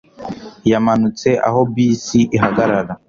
Yamanutse aho bisi ihagarara